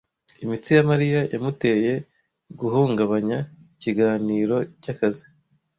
Imitsi ya Mariya yamuteye guhungabanya ikiganiro cyakazi.